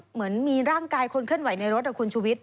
เหมือนมีร่างกายคนเคลื่อนไหวในรถคุณชุวิต